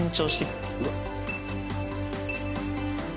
うわっ。